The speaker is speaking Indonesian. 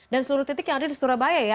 dan seluruh titik yang ada di surabaya ya